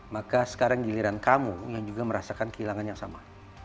maka sekarang giliran kamu yang juga merasakan kehilangan yang sama